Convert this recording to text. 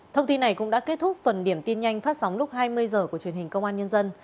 thông tin này cũng đã kết thúc phần điểm tin nhanh phát sóng lúc hai mươi h của truyền hình công an nhân dân